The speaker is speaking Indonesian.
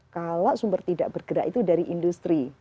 kalau sumber tidak bergerak itu dari industri